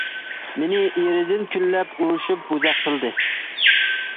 مېنى ئېرىدىن كۈنلەپ ئۇرۇشۇپ بوزەك قىلدى.